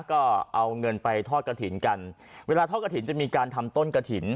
ก็เอาเงินไปทอดกระถิ่นกันเวลาทอดกระถิ่นจะมีการทำต้นกระถิ่น